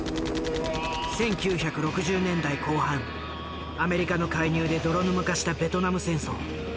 １９６０年代後半アメリカの介入で泥沼化したベトナム戦争。